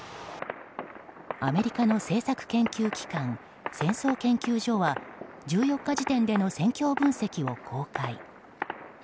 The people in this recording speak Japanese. アメリカの政策研究機関戦争研究所は１４日時点での戦況分析を公開。